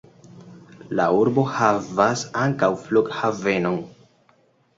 La urbo havas ankaŭ flughavenon.